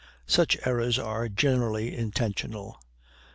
Such errors are generally intentional.